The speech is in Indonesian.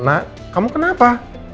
nak kamu kenapa